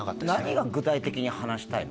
何が具体的に話したいの？